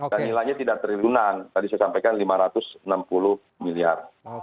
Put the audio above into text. dan nilainya tidak triliunan tadi saya sampaikan rp lima ratus enam puluh miliar